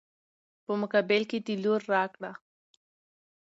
په مقابل کې د لور راکړه.